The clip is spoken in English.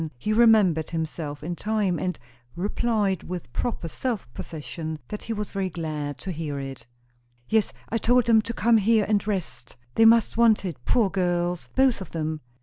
He remembered himself in time, and replied with proper self possession that he was very glad to hear it. "Yes, I told them to come here and rest. They must want it, poor girls, both of them."